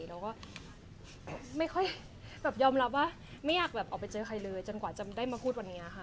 เราก็ไม่ค่อยแบบยอมรับว่าไม่อยากแบบออกไปเจอใครเลยจนกว่าจะได้มาพูดวันนี้ค่ะ